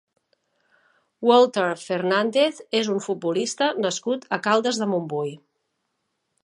Walter Fernández és un futbolista nascut a Caldes de Montbui.